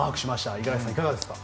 五十嵐さん、いかがですか？